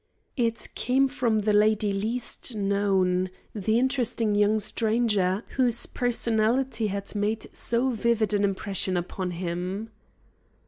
It came from the lady least known, the interesting young stranger whose personality had made so vivid an impression upon him.